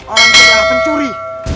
orang itu adalah pencuri